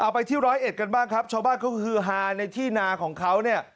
ไปที่ร้อยเอ็ดกันบ้างชาวบ้านคือฮาในธีนาของเขา